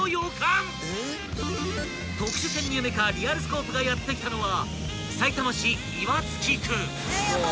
［特殊潜入メカリアルスコープがやって来たのは］